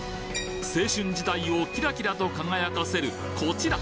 青春時代をキラキラと輝かせるこちら！